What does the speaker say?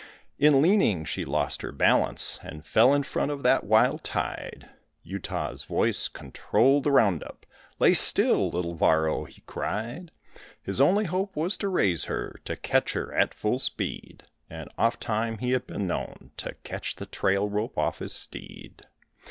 In leaning, she lost her balance and fell in front of that wild tide. Utah's voice controlled the round up. "Lay still, little Varro," he cried. His only hope was to raise her, to catch her at full speed, And oft times he had been known to catch the trail rope off his steed.